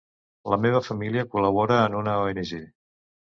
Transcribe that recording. La meva família col·labora en una ONG.